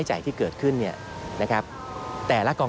พบหน้าลูกแบบเป็นร่างไร้วิญญาณ